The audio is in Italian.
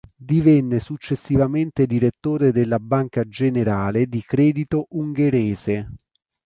Divenne successivamente direttore della Banca Generale di Credito Ungherese.